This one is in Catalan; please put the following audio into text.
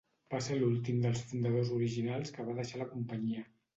Va ser l'últim dels fundadors originals que va deixar la companyia.